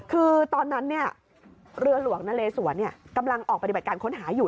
คือตอนนั้นเรือหลวงนเลสวนกำลังออกปฏิบัติการค้นหาอยู่